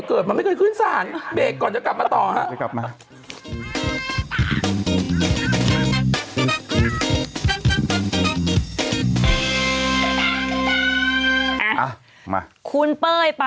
เออเขาบอกกันอีกแล้วเลย